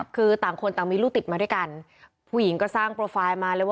คือต่างคนต่างมีลูกติดมาด้วยกันผู้หญิงก็สร้างโปรไฟล์มาเลยว่า